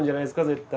絶対。